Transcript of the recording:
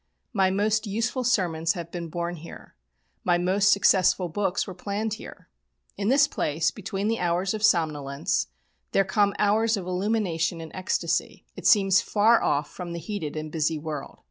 My most useful sermons have been born here. My most successful books were planned here. In this place, between the hours of somnolence, there come hours of illumination and ecstasy. It seems far off from the heated and busy world.